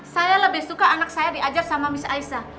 saya lebih suka anak saya diajar sama miss aisyah